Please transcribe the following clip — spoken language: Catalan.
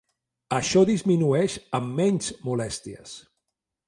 Això disminueix amb menys molèsties.